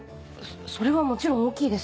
それはもちろん大きいです。